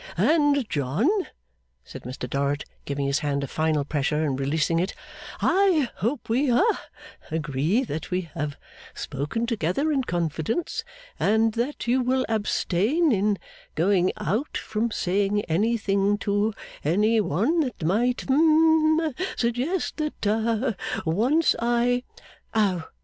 'And, John,' said Mr Dorrit, giving his hand a final pressure, and releasing it, 'I hope we ha agree that we have spoken together in confidence; and that you will abstain, in going out, from saying anything to any one that might hum suggest that ha once I ' 'Oh!